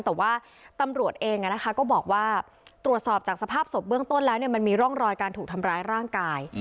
แต่ว่าตำรวจเองก็บอกว่าตรวจสอบจากสภาพศพเบื้องต้นแล้วมันมีร่องรอยการถูกทำร้ายร่างกาย